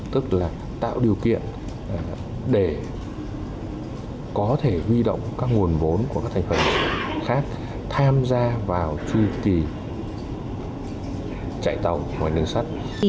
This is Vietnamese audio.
tức là tạo điều kiện để có thể huy động các nguồn vốn của các thành phần khác tham gia vào chu kỳ chạy tàu ngoài đường sắt